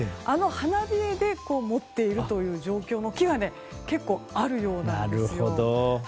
あの花冷えで持っているという状況の木が結構あるようなんですよ。